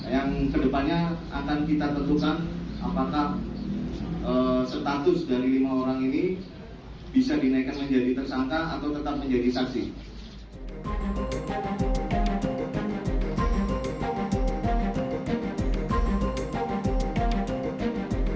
yang kedepannya akan kita tentukan apakah status dari lima orang ini bisa dinaikkan menjadi tersangka atau tetap menjadi saksi